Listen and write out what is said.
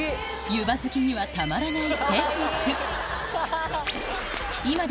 湯葉好きにはたまらない